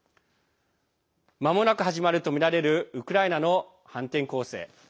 まもなく始まるとみられるウクライナの反転攻勢。